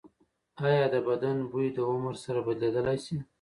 ایا د بدن بوی د عمر سره بدلیدلی شي؟